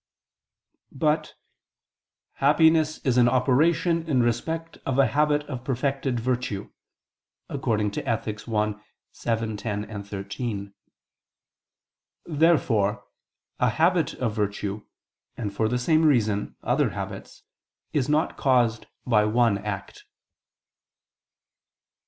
But "happiness is an operation in respect of a habit of perfect virtue" (Ethic. i, 7, 10, 13). Therefore a habit of virtue, and for the same reason, other habits, is not caused by one act.